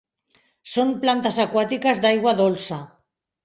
Són plantes aquàtiques d'aigua dolça.